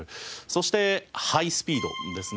そしてハイスピードですね。